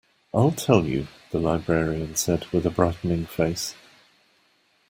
I'll tell you, the librarian said with a brightening face.